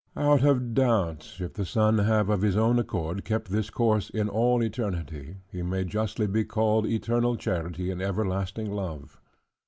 Out of doubt, if the sun have of his own accord kept this course in all eternity, he may justly be called eternal charity and everlasting love.